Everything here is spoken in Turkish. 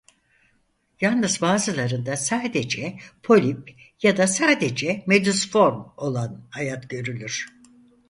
Yalnız bazılarında sadece polip ya da sadece medüz form olan hayat görülür.